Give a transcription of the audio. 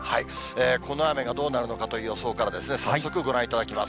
この雨がどうなるのかという予想からですね、早速ご覧いただきます。